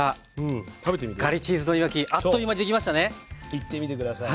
いってみて下さい。